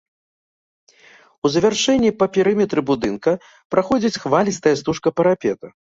У завяршэнні па перыметры будынка праходзіць хвалістая стужка парапета.